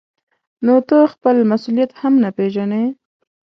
نو ته خپل مسؤلیت هم نه پېژنې.